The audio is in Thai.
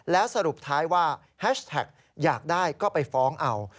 แล้วสรุปท้ายว่าแฮชแท็กอยากได้ก็ไปฟ้องเอา